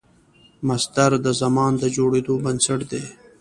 مصدر د زمان د جوړېدو بنسټ دئ.